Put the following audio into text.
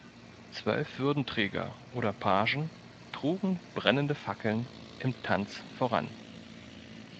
Zwölf Würdenträger oder Pagen trugen brennende Fackeln im Tanz voran.